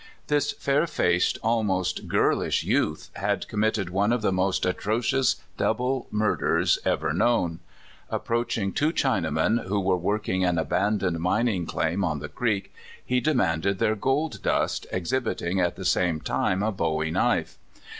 This fair faced, almost girlish, youth had com mitted one of the most atrocious double murders ever known. Approaching two Chinamen who were working an abandoned mining claim on the creek, he demanded their gold dust, exhibiting at the same time a Bowie knife.